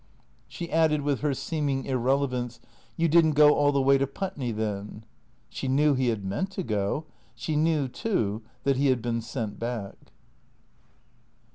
She added with her seeming irrelevance, " You did n't go all the way to Putney then ?" She knew he had meant to go. She knew, too, that he had been sent back.